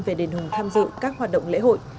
về đền hùng tham dự các hoạt động lễ hội